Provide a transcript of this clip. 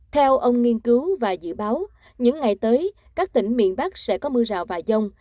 theo ông nghiên cứu và dự báo những ngày tới các tỉnh miền bắc sẽ có mưa rào và dông